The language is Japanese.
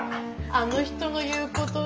あの人の言うことじゃ。